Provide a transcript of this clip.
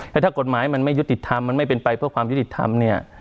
แล้วถ้ากฎหมายมันไม่ยุติธรรมมันไม่เป็นไปเพื่อความยุติธรรมเนี่ย